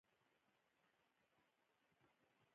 لمسی له نیکه سره د غره سر ته خېږي.